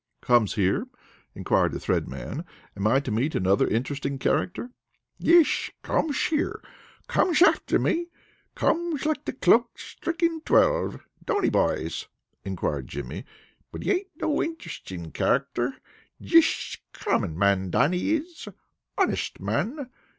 "Comes here?" inquired the Thread Man. "Am I to meet another interesting character?" "Yesh, comesh here. Comesh after me. Comesh like the clock sthriking twelve. Don't he, boys?" inquired Jimmy. "But he ain't no interesting character. Jisht common man, Dannie is. Honest man.